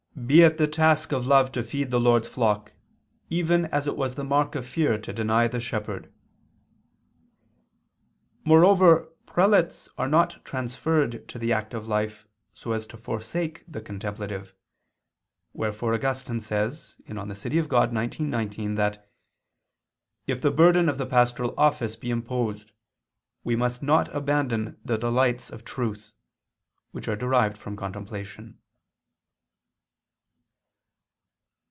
"Be it the task of love to feed the Lord's flock, even as it was the mark of fear to deny the Shepherd." Moreover prelates are not transferred to the active life, so as to forsake the contemplative; wherefore Augustine says (De Civ. Dei xix, 19) that "if the burden of the pastoral office be imposed, we must not abandon the delights of truth," which are derived from contemplation.